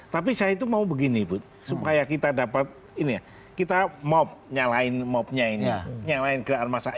tapi saya itu mau begini bud supaya kita dapat ini ya kita mob nyalain mobnya ini nyalain keadaan massa